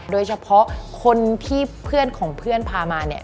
โดยเฉพาะคนที่เพื่อนของเพื่อนพามาเนี่ย